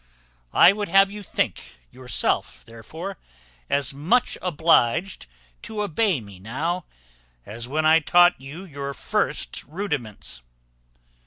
I would have you think yourself, therefore, as much obliged to obey me now, as when I taught you your first rudiments."